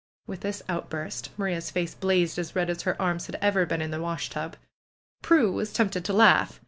With this outburst, Maria's face blazed as red as her arms had ever been in the washtub. Prue was tempted to laugh.